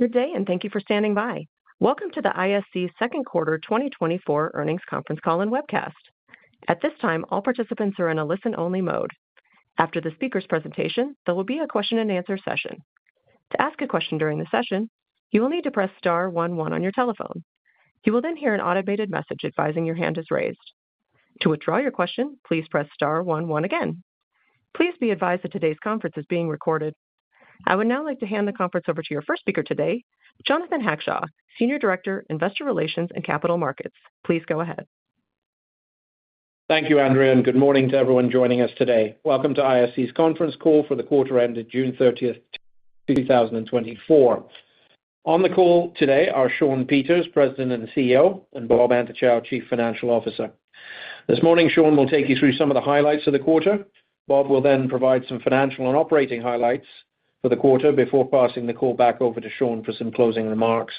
Good day, and thank you for standing by. Welcome to the ISC's second quarter 2024 earnings conference call and webcast. At this time, all participants are in a listen-only mode. After the speaker's presentation, there will be a question-and-answer session. To ask a question during the session, you will need to press star one one on your telephone. You will then hear an automated message advising your hand is raised. To withdraw your question, please press star one one again. Please be advised that today's conference is being recorded. I would now like to hand the conference over to your first speaker today, Jonathan Hackshaw, Senior Director, Investor Relations and Capital Markets. Please go ahead. Thank you, Andrea, and good morning to everyone joining us today. Welcome to ISC's conference call for the quarter ended June 30th, 2024. On the call today are Shawn Peters, President and CEO, and Bob Antochow, Chief Financial Officer. This morning, Shawn will take you through some of the highlights of the quarter. Bob will then provide some financial and operating highlights for the quarter before passing the call back over to Shawn for some closing remarks.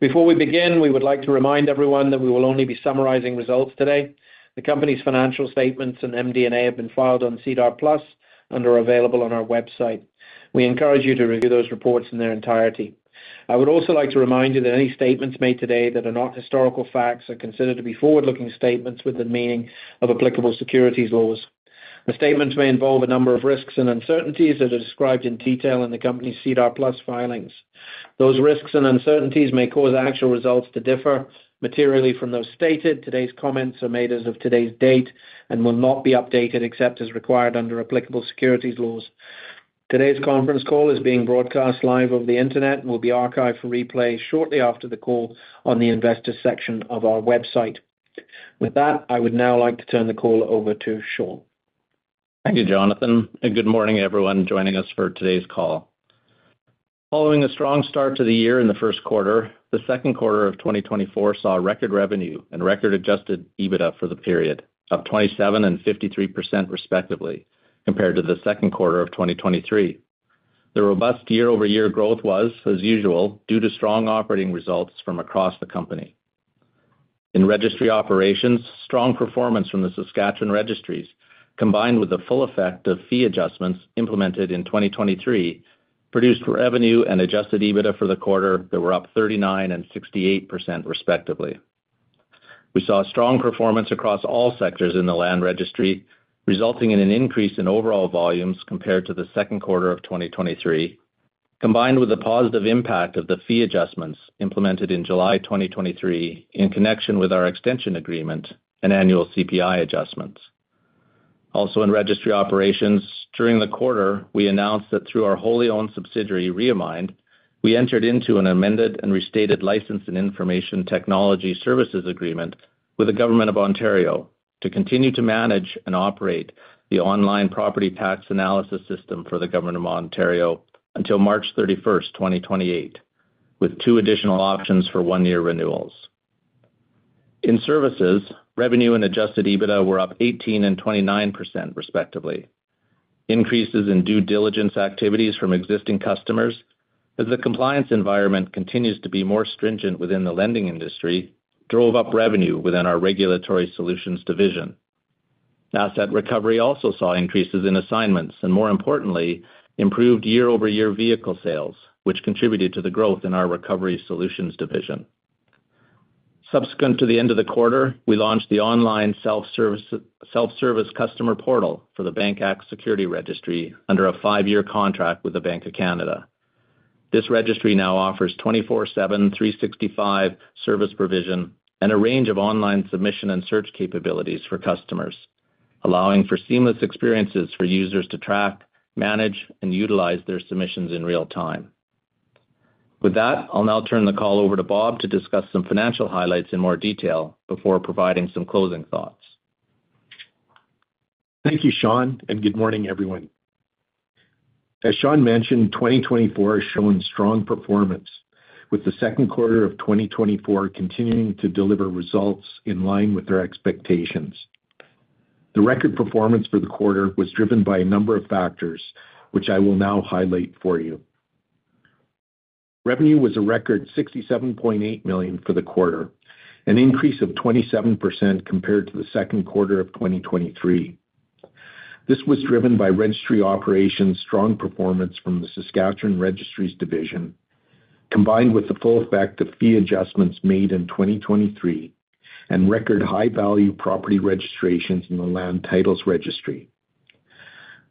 Before we begin, we would like to remind everyone that we will only be summarizing results today. The company's financial statements and MD&A have been filed on SEDAR+ and are available on our website. We encourage you to review those reports in their entirety. I would also like to remind you that any statements made today that are not historical facts are considered to be forward-looking statements with the meaning of applicable securities laws. The statements may involve a number of risks and uncertainties that are described in detail in the company's SEDAR+ filings. Those risks and uncertainties may cause actual results to differ materially from those stated. Today's comments are made as of today's date and will not be updated except as required under applicable securities laws. Today's conference call is being broadcast live on the Internet and will be archived for replay shortly after the call on the investor section of our website. With that, I would now like to turn the call over to Shawn. Thank you, Jonathan, and good morning everyone joining us for today's call. Following a strong start to the year in the first quarter, the second quarter of 2024 saw record revenue and record adjusted EBITDA for the period, up 27% and 53%, respectively, compared to the second quarter of 2023. The robust year-over-year growth was, as usual, due to strong operating results from across the company. In Registry Operations, strong performance from the Saskatchewan Registries, combined with the full effect of fee adjustments implemented in 2023, produced revenue and adjusted EBITDA for the quarter that were up 39% and 68%, respectively. We saw strong performance across all sectors in the land registry, resulting in an increase in overall volumes compared to the second quarter of 2023, combined with the positive impact of the fee adjustments implemented in July 2023 in connection with our extension agreement and annual CPI adjustments. Also, in Registry Operations, during the quarter, we announced that through our wholly owned subsidiary, Reamined, we entered into an amended and restated license and information technology services agreement with the Government of Ontario to continue to manage and operate the Online Property Tax Analysis system for the Government of Ontario until March 31, 2028, with two additional options for one-year renewals. In Services, revenue and Adjusted EBITDA were up 18% and 29%, respectively. Increases in due diligence activities from existing customers, as the compliance environment continues to be more stringent within the lending industry, drove up revenue within our Regulatory Solutions division. Asset recovery also saw increases in assignments, and more importantly, improved year-over-year vehicle sales, which contributed to the growth in our Recovery Solutions division. Subsequent to the end of the quarter, we launched the online self-service, self-service customer portal for the Bank Act Security Registry under a 5-year contract with the Bank of Canada. This registry now offers 24/7, 365 service provision and a range of online submission and search capabilities for customers, allowing for seamless experiences for users to track, manage, and utilize their submissions in real time. With that, I'll now turn the call over to Bob to discuss some financial highlights in more detail before providing some closing thoughts. Thank you, Shawn, and good morning, everyone. As Shawn mentioned, 2024 is showing strong performance, with the second quarter of 2024 continuing to deliver results in line with their expectations. The record performance for the quarter was driven by a number of factors, which I will now highlight for you. Revenue was a record 67.8 million for the quarter, an increase of 27% compared to the second quarter of 2023. This was driven by Registry Operations' strong performance from the Saskatchewan Registries division, combined with the full effect of fee adjustments made in 2023 and record high-value property registrations in the Land Titles Registry.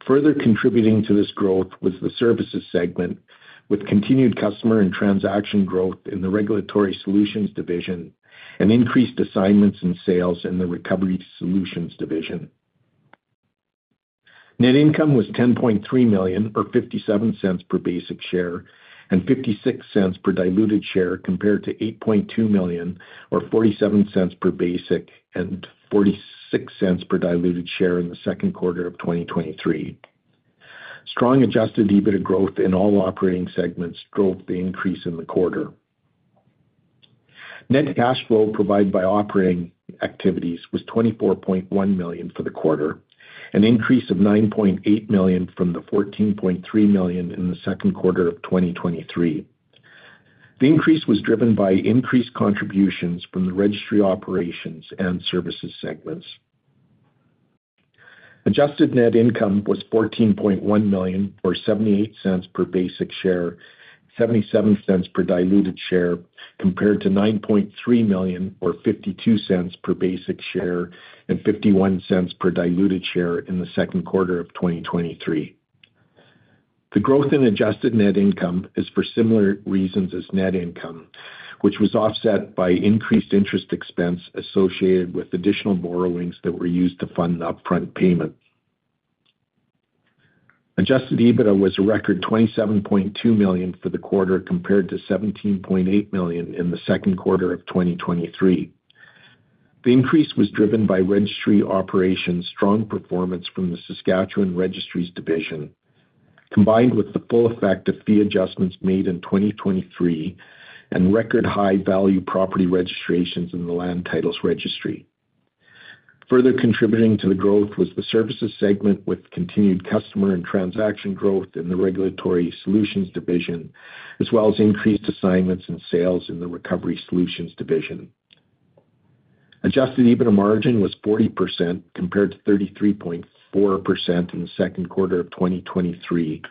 Further contributing to this growth was the Services segment, with continued customer and transaction growth in the Regulatory Solutions division and increased assignments and sales in the Recovery Solutions division. Net income was 10.3 million, or 0.57 per basic share and 0.56 per diluted share, compared to 8.2 million, or 47 cents per basic and 46 cents per diluted share in the second quarter of 2023. Strong adjusted EBITDA growth in all operating segments drove the increase in the quarter. Net cash flow provided by operating activities was 24.1 million for the quarter, an increase of 9.8 million from the 14.3 million in the second quarter of 2023. The increase was driven by increased contributions from the Registry Operations and Services segments.... Adjusted net income was 14.1 million, or 0.78 per basic share, 0.77 per diluted share, compared to 9.3 million, or 52 cents per basic share and 51 cents per diluted share in the second quarter of 2023. The growth in adjusted net income is for similar reasons as net income, which was offset by increased interest expense associated with additional borrowings that were used to fund the upfront payment. Adjusted EBITDA was a record 27.2 million for the quarter, compared to 17.8 million in the second quarter of 2023. The increase was driven by Registry Operations' strong performance from the Saskatchewan Registries division, combined with the full effect of fee adjustments made in 2023 and record high value property registrations in the Land Titles Registry. Further contributing to the growth was the Services segment, with continued customer and transaction growth in the Regulatory Solutions division, as well as increased assignments and sales in the Recovery Solutions division. Adjusted EBITDA margin was 40%, compared to 33.4% in the second quarter of 2023,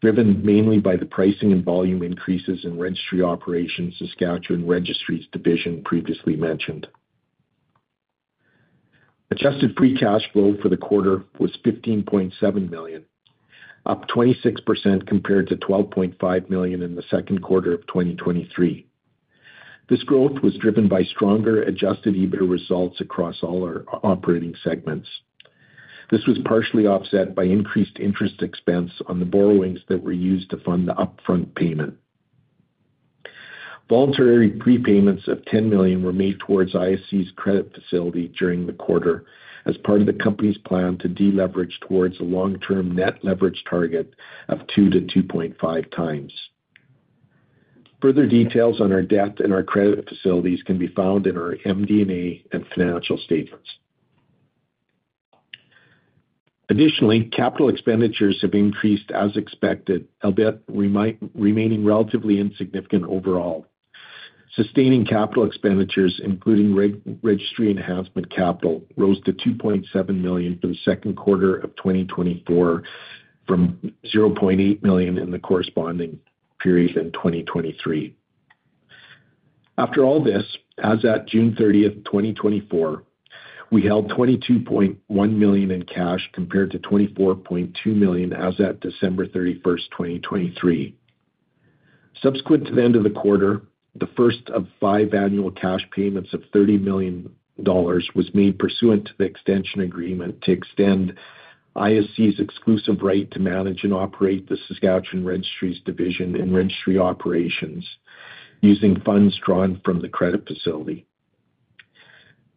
driven mainly by the pricing and volume increases in Registry Operations' Saskatchewan Registries division previously mentioned. Adjusted free cash flow for the quarter was 15.7 million, up 26% compared to 12.5 million in the second quarter of 2023. This growth was driven by stronger adjusted EBITDA results across all our operating segments. This was partially offset by increased interest expense on the borrowings that were used to fund the upfront payment. Voluntary prepayments of 10 million were made towards ISC's credit facility during the quarter as part of the company's plan to deleverage towards a long-term net leverage target of 2-2.5 times. Further details on our debt and our credit facilities can be found in our MD&A and financial statements. Additionally, capital expenditures have increased as expected, albeit remaining relatively insignificant overall. Sustaining capital expenditures, including registry enhancement capital, rose to 2.7 million for the second quarter of 2024, from 0.8 million in the corresponding period in 2023. After all this, as at June 30, 2024, we held 22.1 million in cash, compared to 24.2 million as at December 31, 2023. Subsequent to the end of the quarter, the first of five annual cash payments of 30 million dollars was made pursuant to the extension agreement to extend ISC's exclusive right to manage and operate the Saskatchewan Registries division and Registry Operations using funds drawn from the credit facility.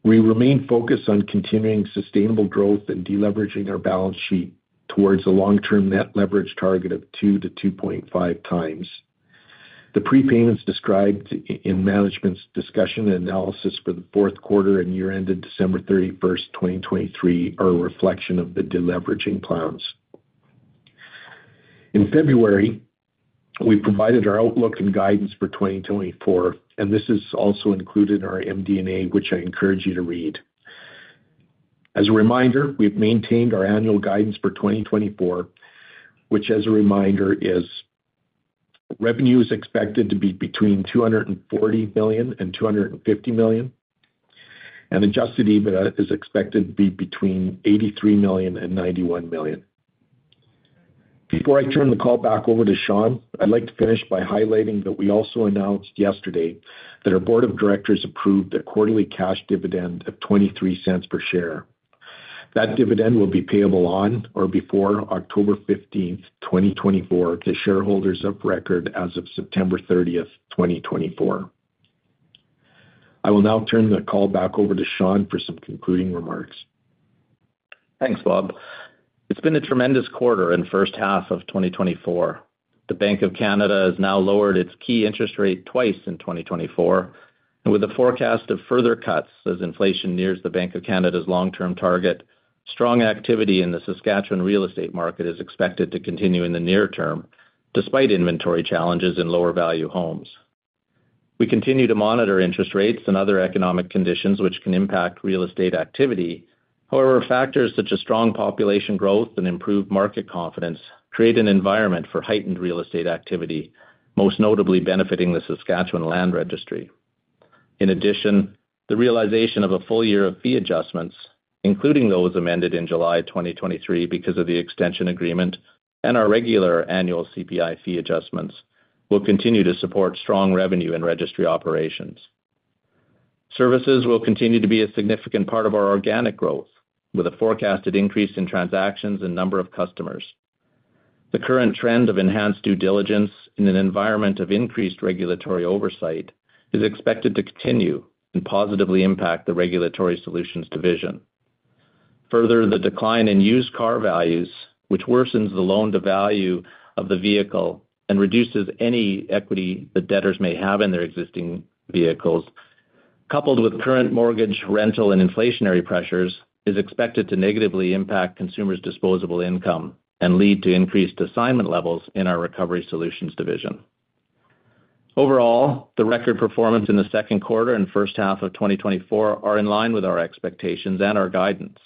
We remain focused on continuing sustainable growth and deleveraging our balance sheet towards a long-term net leverage target of 2-2.5 times. The prepayments described in management's discussion and analysis for the fourth quarter and year-ended December 31, 2023, are a reflection of the deleveraging plans. In February, we provided our outlook and guidance for 2024, and this is also included in our MD&A, which I encourage you to read. As a reminder, we've maintained our annual guidance for 2024, which, as a reminder, is: revenue is expected to be between 240 million and 250 million, and adjusted EBITDA is expected to be between 83 million and 91 million. Before I turn the call back over to Shawn, I'd like to finish by highlighting that we also announced yesterday that our board of directors approved a quarterly cash dividend of 0.23 per share. That dividend will be payable on or before October 15th, 2024, to shareholders of record as of September 30th, 2024. I will now turn the call back over to Shawn for some concluding remarks. Thanks, Bob. It's been a tremendous quarter and first half of 2024. The Bank of Canada has now lowered its key interest rate twice in 2024, and with a forecast of further cuts as inflation nears the Bank of Canada's long-term target, strong activity in the Saskatchewan real estate market is expected to continue in the near term, despite inventory challenges in lower-value homes. We continue to monitor interest rates and other economic conditions which can impact real estate activity. However, factors such as strong population growth and improved market confidence create an environment for heightened real estate activity, most notably benefiting the Saskatchewan Land Registry. In addition, the realization of a full year of fee adjustments, including those amended in July 2023 because of the extension agreement and our regular annual CPI fee adjustments, will continue to support strong revenue and Registry Operations. Services will continue to be a significant part of our organic growth, with a forecasted increase in transactions and number of customers. The current trend of enhanced due diligence in an environment of increased regulatory oversight is expected to continue and positively impact the Regulatory Solutions division. Further, the decline in used car values, which worsens the loan to value of the vehicle and reduces any equity that debtors may have in their existing vehicles, coupled with current mortgage, rental, and inflationary pressures, is expected to negatively impact consumers' disposable income and lead to increased assignment levels in our Recovery Solutions division. Overall, the record performance in the second quarter and first half of 2024 are in line with our expectations and our guidance,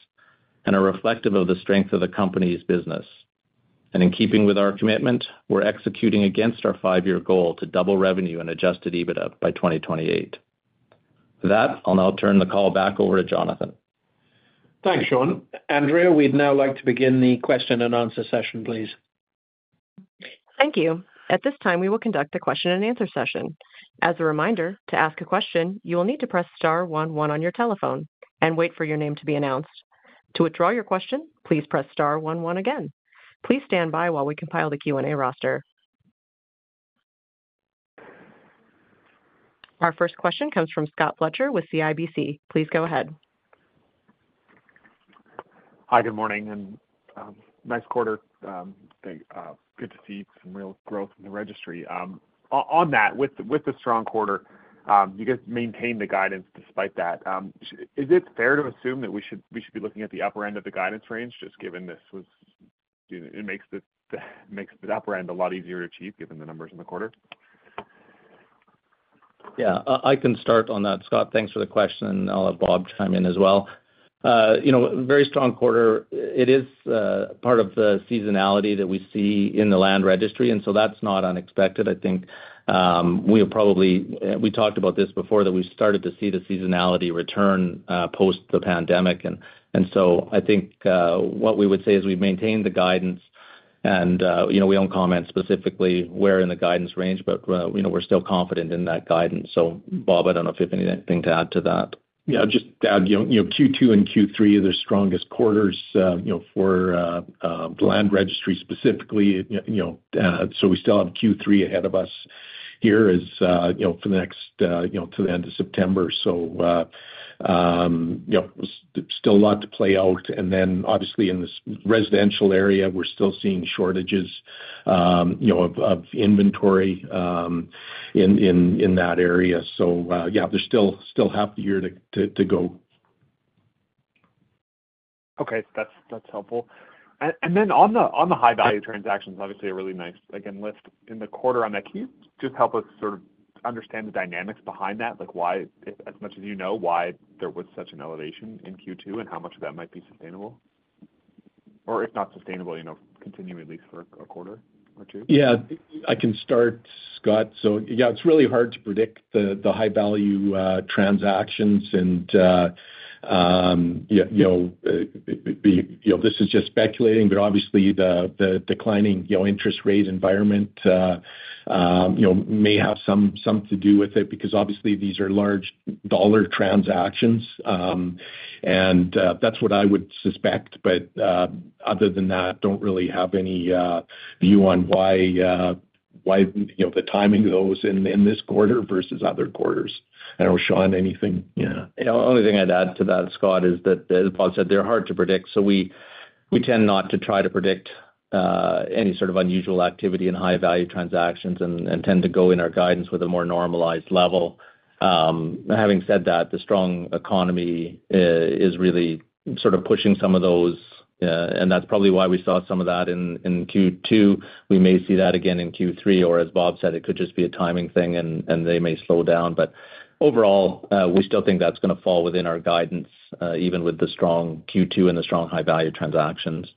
and are reflective of the strength of the company's business. In keeping with our commitment, we're executing against our five-year goal to double revenue and Adjusted EBITDA by 2028. With that, I'll now turn the call back over to Jonathan. Thanks, Shawn. Andrea, we'd now like to begin the question and answer session, please. Thank you. At this time, we will conduct a question and answer session. As a reminder, to ask a question, you will need to press star one one on your telephone and wait for your name to be announced. To withdraw your question, please press star one one again. Please stand by while we compile the Q&A roster. Our first question comes from Scott Fletcher with CIBC. Please go ahead. Hi, good morning, and nice quarter. Good to see some real growth in the registry. On that, with the strong quarter, you guys maintained the guidance despite that. Is it fair to assume that we should be looking at the upper end of the guidance range, just given this was, you know, it makes the upper end a lot easier to achieve, given the numbers in the quarter? Yeah, I can start on that, Scott. Thanks for the question, and I'll have Bob chime in as well. You know, very strong quarter. It is part of the seasonality that we see in the land registry, and so that's not unexpected. I think we have probably we talked about this before, that we started to see the seasonality return post the pandemic. And so I think what we would say is we've maintained the guidance and you know, we don't comment specifically where in the guidance range, but you know, we're still confident in that guidance. So Bob, I don't know if you have anything to add to that. Yeah, just to add, you know, you know, Q2 and Q3 are the strongest quarters, you know, for the land registry specifically. You know, so we still have Q3 ahead of us here as, you know, for the next, you know, till the end of September. So, you know, still a lot to play out. And then obviously in this residential area, we're still seeing shortages, you know, of inventory, in that area. So, yeah, there's still half the year to go. Okay. That's, that's helpful. And, and then on the, on the high value transactions, obviously a really nice, again, lift in the quarter on that. Can you just help us sort of understand the dynamics behind that? Like, why, as much as you know, why there was such an elevation in Q2, and how much of that might be sustainable? Or if not sustainable, you know, continue at least for a quarter or two? Yeah. I can start, Scott. So yeah, it's really hard to predict the high value transactions and yeah, you know, you know, this is just speculating, but obviously the declining you know interest rates environment you know may have something to do with it, because obviously these are large dollar transactions. And that's what I would suspect, but other than that, don't really have any view on why why you know the timing of those in this quarter versus other quarters. I don't know, Shawn, anything? Yeah. You know, only thing I'd add to that, Scott, is that, as Bob said, they're hard to predict, so we tend not to try to predict any sort of unusual activity in high value transactions and tend to go in our guidance with a more normalized level. Having said that, the strong economy is really sort of pushing some of those, and that's probably why we saw some of that in Q2. We may see that again in Q3, or as Bob said, it could just be a timing thing, and they may slow down. But overall, we still think that's gonna fall within our guidance, even with the strong Q2 and the strong high value transactions.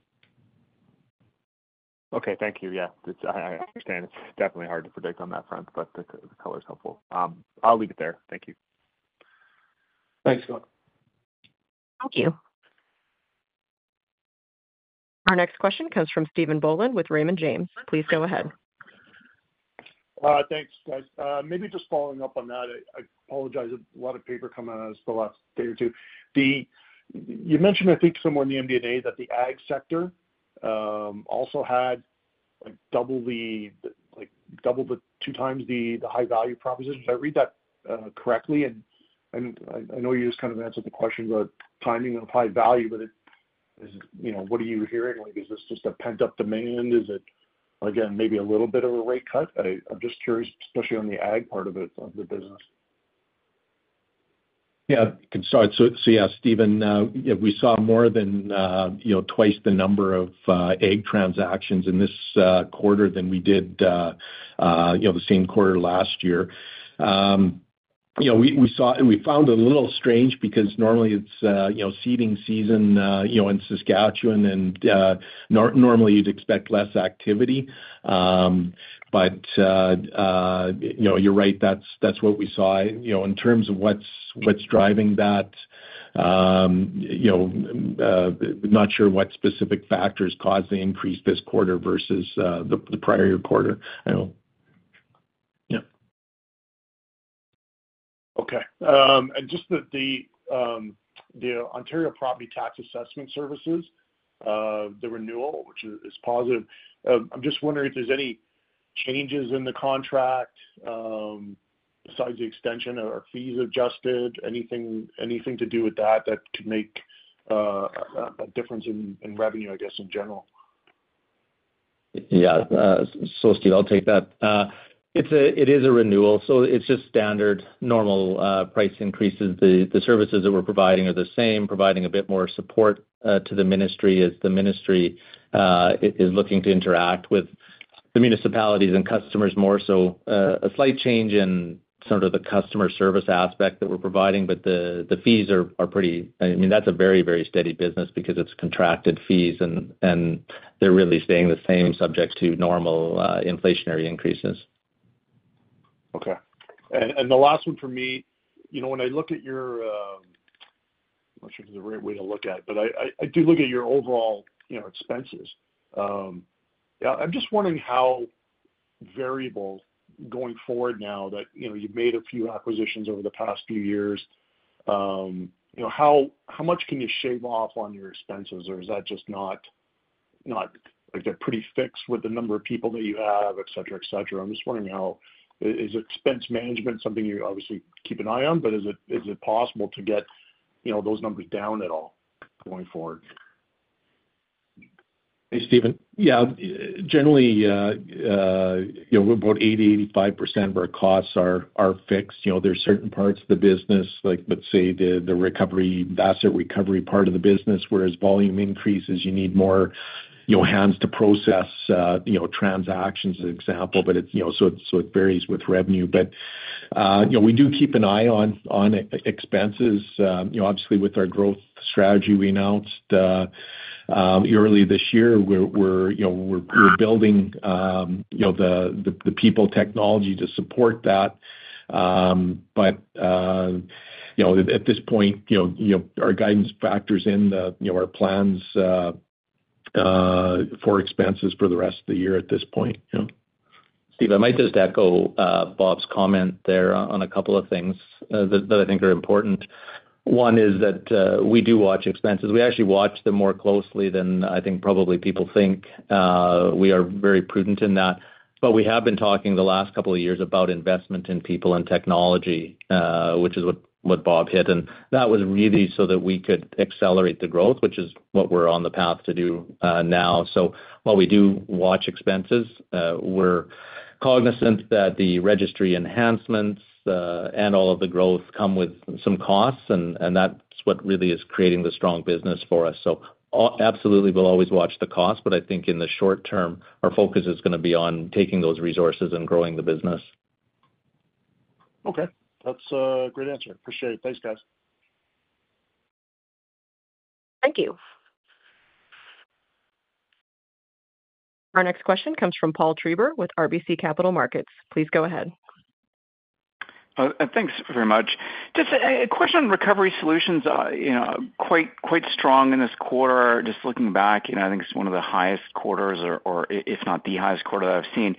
Okay. Thank you. Yeah, it's... I, I understand. It's definitely hard to predict on that front, but the color is helpful. I'll leave it there. Thank you. Thanks, Scott. Thank you. Our next question comes from Stephen Boland with Raymond James. Please go ahead. Thanks, guys. Maybe just following up on that, I apologize, a lot of paper coming out in the last day or two. You mentioned, I think, somewhere in the MD&A that the ag sector also had double the two times the high value propositions. Did I read that correctly? And I know you just kind of answered the question about timing of high value, but you know, what are you hearing? Like, is this just a pent-up demand? Is it, again, maybe a little bit of a rate cut? I'm just curious, especially on the ag part of it, of the business. Yeah, I can start. So, yeah, Steven, yeah, we saw more than, you know, twice the number of, ag transactions in this, quarter than we did, you know, the same quarter last year. You know, we saw-- and we found it a little strange, because normally it's, you know, seeding season, you know, in Saskatchewan, and, normally, you'd expect less activity. But, you know, you're right, that's what we saw. You know, in terms of what's driving that, you know, not sure what specific factors caused the increase this quarter versus, the prior quarter. I don't... Yeah. Okay. And just that the Ontario Property Tax Assessment Services, the renewal, which is positive, I'm just wondering if there's any changes in the contract, besides the extension? Are fees adjusted? Anything to do with that that could make a difference in revenue, I guess, in general? Yeah. So Steve, I'll take that. It's a renewal, so it's just standard, normal price increases. The services that we're providing are the same, providing a bit more support to the ministry as the ministry is looking to interact with the municipalities and customers more so, a slight change in sort of the customer service aspect that we're providing, but the fees are pretty-- I mean, that's a very, very steady business because it's contracted fees, and they're really staying the same, subject to normal inflationary increases. Okay. And the last one for me, you know, when I look at your, I'm not sure if this is the right way to look at, but I do look at your overall, you know, expenses. Yeah, I'm just wondering how variable, going forward now, that, you know, you've made a few acquisitions over the past few years, you know, how much can you shave off on your expenses, or is that just not like, they're pretty fixed with the number of people that you have, et cetera, et cetera. I'm just wondering, is expense management something you obviously keep an eye on, but is it possible to get, you know, those numbers down at all going forward? Hey, Steven. Yeah, generally, you know, about 80-85% of our costs are fixed. You know, there are certain parts of the business, like, let's say, the recovery, asset recovery part of the business, whereas volume increases, you need more, you know, hands to process, you know, transactions, as an example. But it, you know, so it varies with revenue. But, you know, we do keep an eye on expenses. You know, obviously, with our growth strategy we announced early this year, we're building, you know, the people technology to support that. But, you know, at this point, you know, our guidance factors in our plans for expenses for the rest of the year at this point, yeah. Steve, I might just echo Bob's comment there on a couple of things that I think are important. One is that we do watch expenses. We actually watch them more closely than I think probably people think. We are very prudent in that, but we have been talking the last couple of years about investment in people and technology, which is what Bob hit, and that was really so that we could accelerate the growth, which is what we're on the path to do now. So while we do watch expenses, we're cognizant that the registry enhancements and all of the growth come with some costs, and that's what really is creating the strong business for us. Absolutely, we'll always watch the cost, but I think in the short term, our focus is gonna be on taking those resources and growing the business. Okay. That's a great answer. Appreciate it. Thanks, guys. Thank you. Our next question comes from Paul Treiber with RBC Capital Markets. Please go ahead. Thanks very much. Just a question on Recovery Solutions. You know, quite strong in this quarter. Just looking back, you know, I think it's one of the highest quarters or if not the highest quarter I've seen.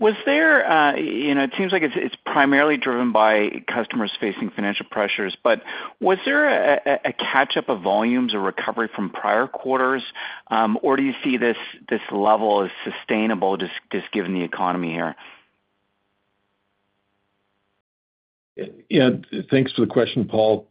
Was there... You know, it seems like it's primarily driven by customers facing financial pressures, but was there a catchup of volumes or recovery from prior quarters, or do you see this level as sustainable, just given the economy here? Yeah, thanks for the question, Paul.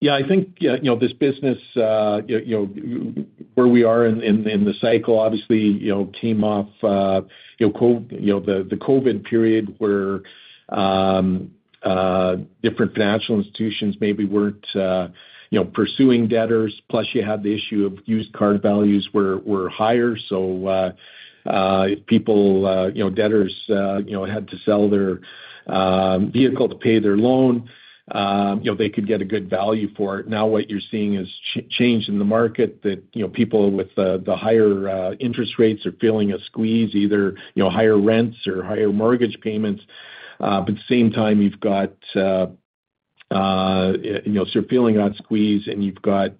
Yeah, I think, yeah, you know, this business, you know, where we are in the cycle, obviously, you know, came off, you know, COVID, you know, the COVID period, where different financial institutions maybe weren't, you know, pursuing debtors, plus you had the issue of used car values were higher. So, people, you know, debtors, you know, had to sell their vehicle to pay their loan, you know, they could get a good value for it. Now, what you're seeing is change in the market that, you know, people with the higher interest rates are feeling a squeeze, either, you know, higher rents or higher mortgage payments. But at the same time, you've got, you know, so you're feeling the squeeze, and you've got,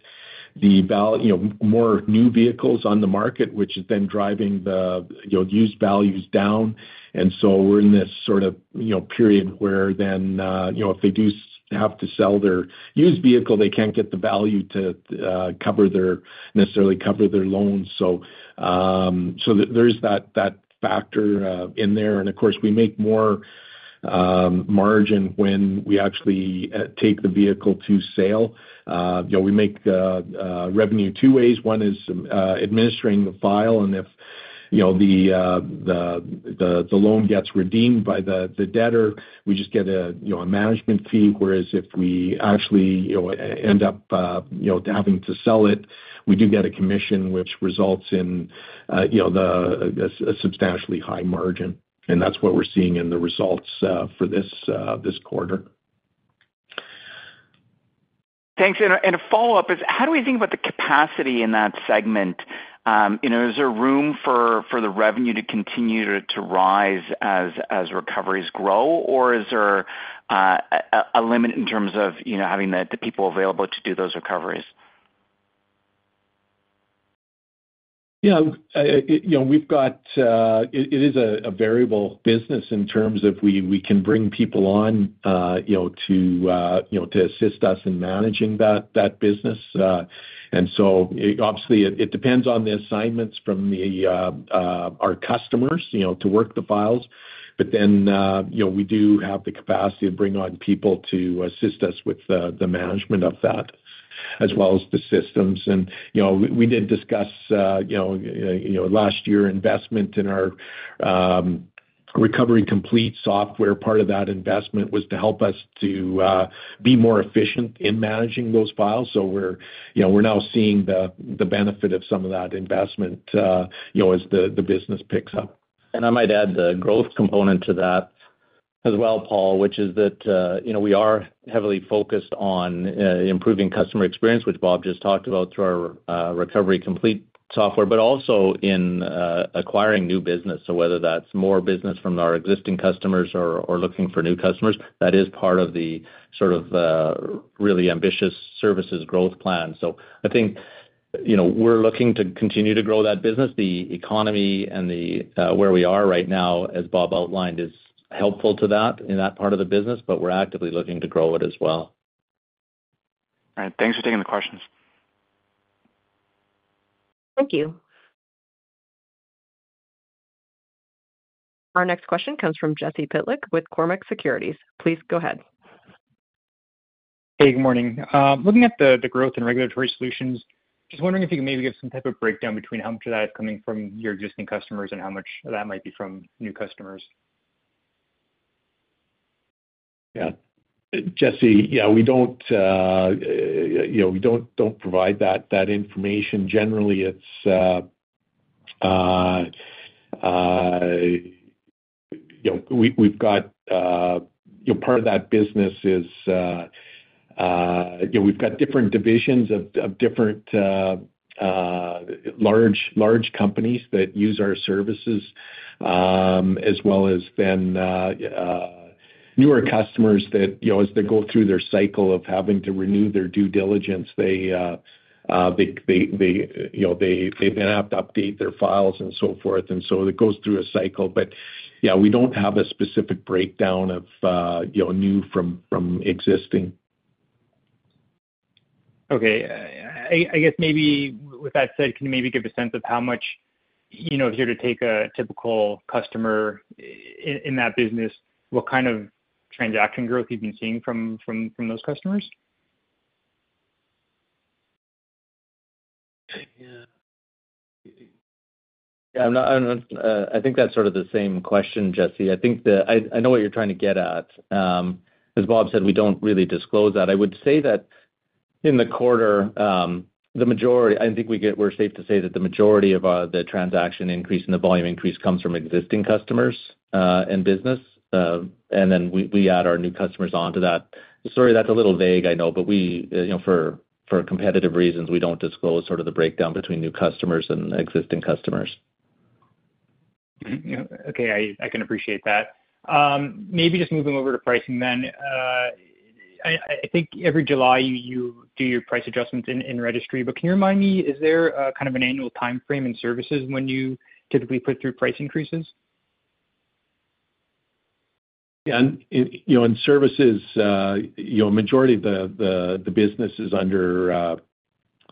you know, more new vehicles on the market, which is then driving the, you know, used values down. And so we're in this sort of, you know, period where then, you know, if they do have to sell their used vehicle, they can't get the value to cover their, necessarily cover their loans. So, so there's that, that factor in there. And of course, we make more margin when we actually take the vehicle to sale. You know, we make revenue two ways. One is, administering the file, and if, you know, the loan gets redeemed by the debtor, we just get a, you know, a management fee, whereas if we actually, you know, end up, you know, having to sell it, we do get a commission which results in, you know, a substantially high margin, and that's what we're seeing in the results, for this quarter. Thanks. A follow-up is, how do we think about the capacity in that segment? You know, is there room for the revenue to continue to rise as recoveries grow, or is there a limit in terms of, you know, having the people available to do those recoveries? Yeah, you know, we've got... It is a variable business in terms of we can bring people on, you know, to assist us in managing that business. And so obviously, it depends on the assignments from our customers, you know, to work the files. But then, you know, we do have the capacity to bring on people to assist us with the management of that, as well as the systems. And, you know, we did discuss, you know, last year, investment in our Recovery Complete software. Part of that investment was to help us to be more efficient in managing those files. So we're, you know, we're now seeing the benefit of some of that investment, you know, as the business picks up. And I might add the growth component to that as well, Paul, which is that, you know, we are heavily focused on improving customer experience, which Bob just talked about through our Recovery Complete software, but also in acquiring new business. So whether that's more business from our existing customers or, or looking for new customers, that is part of the sort of really ambitious services growth plan. So I think, you know, we're looking to continue to grow that business. The economy and the where we are right now, as Bob outlined, is helpful to that in that part of the business, but we're actively looking to grow it as well. All right. Thanks for taking the questions. Thank you. Our next question comes from Jesse Pytlak with Cormark Securities. Please go ahead. Hey, good morning. Looking at the growth in Regulatory Solutions, just wondering if you could maybe give some type of breakdown between how much of that is coming from your existing customers and how much of that might be from new customers? Yeah. Jesse, yeah, we don't, you know, we don't provide that information. Generally, it's, you know, we, we've got, you know, part of that business is, you know, we've got different divisions of different large companies that use our services, as well as then newer customers that, you know, as they go through their cycle of having to renew their due diligence, they, you know, they then have to update their files and so forth, and so it goes through a cycle. But, yeah, we don't have a specific breakdown of, you know, new from existing. Okay. I guess maybe with that said, can you maybe give a sense of how much, you know, if you were to take a typical customer in that business, what kind of transaction growth you've been seeing from those customers? Yeah. Yeah, I think that's sort of the same question, Jesse. I know what you're trying to get at. As Bob said, we don't really disclose that. I would say that in the quarter, the majority. I think we're safe to say that the majority of the transaction increase and the volume increase comes from existing customers and business. And then we add our new customers onto that. Sorry, that's a little vague, I know, but you know, for competitive reasons, we don't disclose sort of the breakdown between new customers and existing customers. Mm-hmm, yeah. Okay, I can appreciate that. Maybe just moving over to pricing then. I think every July, you do your price adjustments in registry, but can you remind me, is there kind of an annual timeframe in services when you typically put through price increases? Yeah. And, you know, in services, you know, majority of the business is under,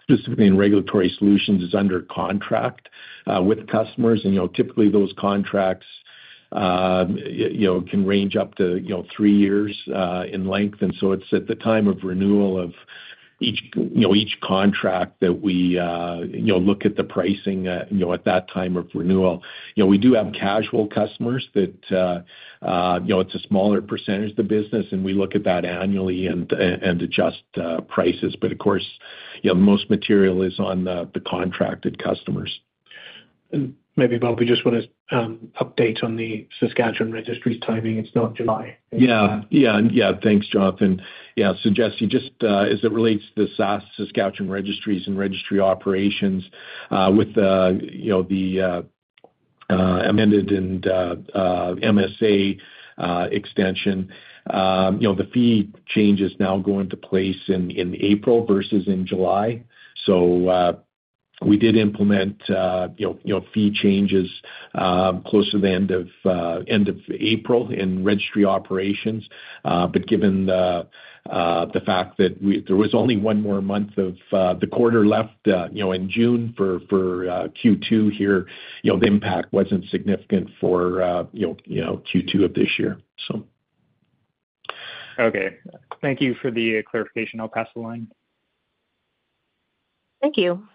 specifically in Regulatory Solutions, is under contract with customers. And, you know, typically those contracts, you know, can range up to, you know, three years in length. And so it's at the time of renewal of each, you know, each contract that we, you know, look at the pricing, you know, at that time of renewal. You know, we do have casual customers that, you know, it's a smaller percentage of the business, and we look at that annually and adjust prices. But of course, you know, most material is on the contracted customers. Maybe, Bob, you just want to update on the Saskatchewan Registry timing. It's not July. Yeah. Yeah, and yeah, thanks, Jonathan. Yeah, so Jesse, just, as it relates to the Saskatchewan Registries and Registry Operations, with the, you know, the, amended and, MSA, extension, you know, the fee changes now go into place in, in April versus in July. So, we did implement, you know, you know, fee changes, closer to the end of, end of April in Registry Operations. But given the, the fact that we—there was only one more month of, the quarter left, you know, in June for, for, Q2 here, you know, the impact wasn't significant for, you know, you know, Q2 of this year, so. Okay. Thank you for the clarification. I'll pass the line. Thank you.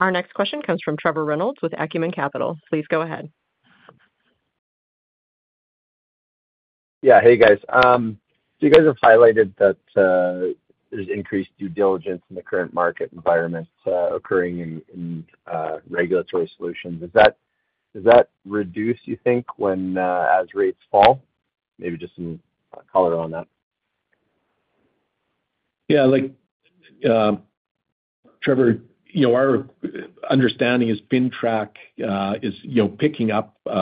Our next question comes from Trevor Reynolds with Acumen Capital. Please go ahead. Yeah. Hey, guys. So you guys have highlighted that there's increased due diligence in the current market environment occurring in Regulatory Solutions. Does that reduce, you think, when, as rates fall? Maybe just some color on that. Yeah, like, Trevor, you know, our understanding is FINTRAC is, you know, picking up, you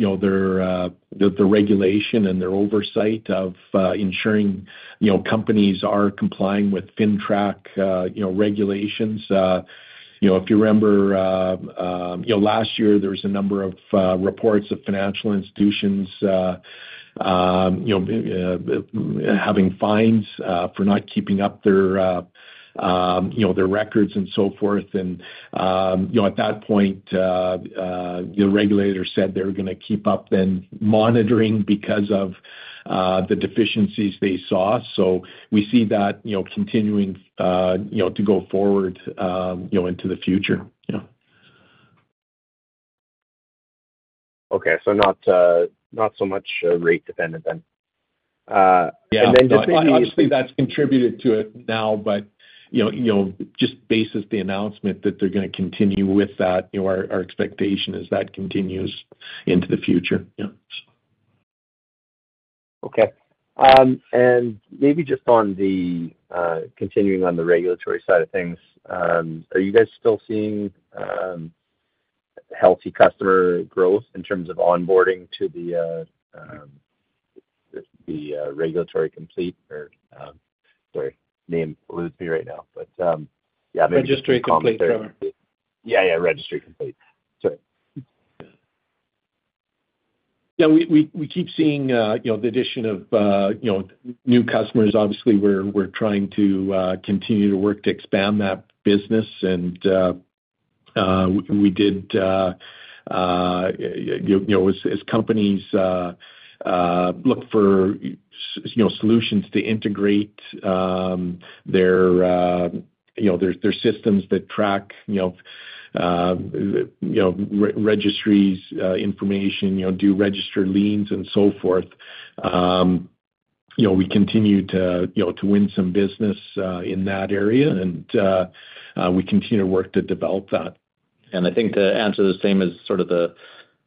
know, their, the regulation and their oversight of ensuring, you know, companies are complying with FINTRAC, you know, regulations. You know, if you remember, you know, last year there was a number of reports of financial institutions, you know, having fines for not keeping up their, you know, their records and so forth. And, you know, at that point, you know, regulators said they were gonna keep up then monitoring because of the deficiencies they saw. So we see that, you know, continuing, you know, to go forward, you know, into the future. Yeah.... Okay, so not, not so much, rate dependent then. And then just maybe- Yeah. Obviously, that's contributed to it now, but, you know, you know, just based on the announcement that they're gonna continue with that, you know, our, our expectation is that continues into the future. Yeah, so. Okay. And maybe just on the continuing on the regulatory side of things, are you guys still seeing healthy customer growth in terms of onboarding to the Registry Complete? Or, sorry, name eludes me right now, but yeah, maybe- Registry Complete, Trevor. Yeah, yeah, Registry Complete. Sorry. Yeah, we keep seeing, you know, the addition of, you know, new customers. Obviously, we're trying to continue to work to expand that business. You know, as companies look for, you know, solutions to integrate their, you know, their systems that track, you know, you know, registries information, you know, do register liens and so forth. You know, we continue to, you know, to win some business in that area, and we continue to work to develop that. I think the answer is the same as sort of the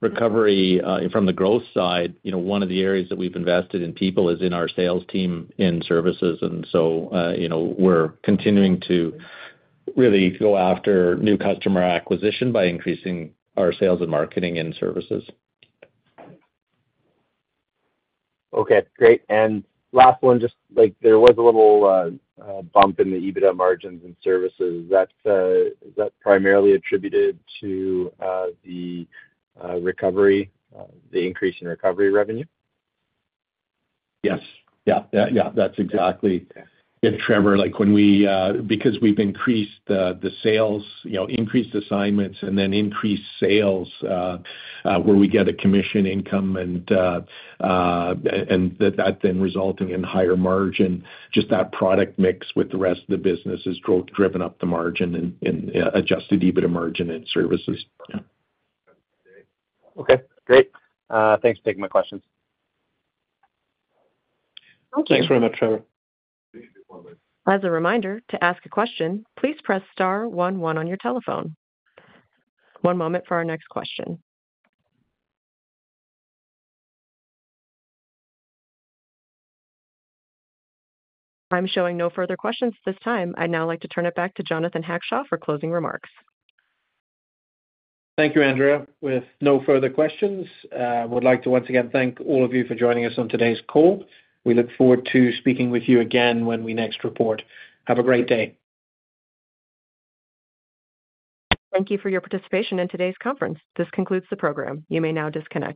recovery from the growth side. You know, one of the areas that we've invested in people is in our sales team, in services. So, you know, we're continuing to really go after new customer acquisition by increasing our sales and marketing and services. Okay, great. And last one, just like there was a little bump in the EBITDA margins and services, that is that primarily attributed to the recovery, the increase in recovery revenue? Yes. Yeah. Yeah, yeah, that's exactly it, Trevor. Like when we, because we've increased the sales, you know, increased assignments and then increased sales where we get a commission income and that then resulting in higher margin, just that product mix with the rest of the business has growth driven up the margin and adjusted EBITDA margin and services. Yeah. Okay, great. Thanks for taking my questions. Thanks very much, Trevor. As a reminder, to ask a question, please press star one one on your telephone. One moment for our next question. I'm showing no further questions this time. I'd now like to turn it back to Jonathan Hackshaw for closing remarks. Thank you, Andrea. With no further questions, would like to once again thank all of you for joining us on today's call. We look forward to speaking with you again when we next report. Have a great day. Thank you for your participation in today's conference. This concludes the program. You may now disconnect.